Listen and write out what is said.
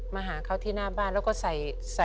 มาหาเขาที่หน้าบ้านแล้วก็ใส่